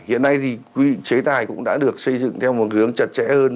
hiện nay thì quy chế tài cũng đã được xây dựng theo một hướng chặt chẽ hơn